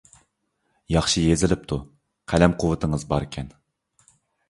ياخشى يېزىلىپتۇ، قەلەم قۇۋۋىتىڭىز باركەن.